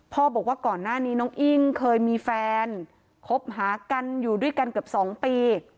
บอกว่าก่อนหน้านี้น้องอิ้งเคยมีแฟนคบหากันอยู่ด้วยกันเกือบ๒ปี